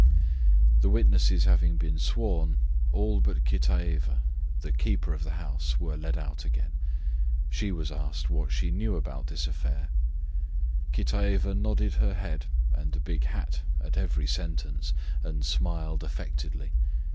The witnesses having been sworn, all but Kitaeva, the keeper of the house, were led out again. She was asked what she knew about this affair. Kitaeva nodded her head and the big hat at every sentence and smiled affectedly.